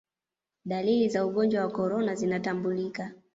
dalili za ugonjwa wa korona zinatambulika